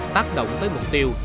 tác động tới mục tiêu